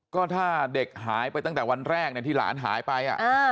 ก็ถ้าเด็กหายไปตั้งแต่วันแรกที่หลานหายไป